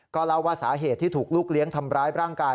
ก็เล่าว่าสาเหตุที่ถูกลูกเลี้ยงทำร้ายร่างกาย